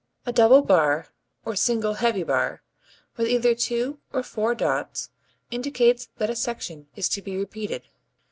A double bar (or single heavy bar) with either two or four dots indicates that a section is to be repeated.